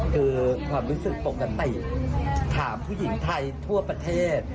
คือความรู้สึกปกติถามผู้หญิงไทยทั่วประเทศ